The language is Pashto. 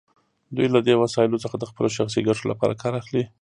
دوی له دې وسایلو څخه د خپلو شخصي ګټو لپاره کار اخلي.